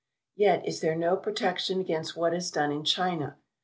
Yet is there no protection against what is done in China.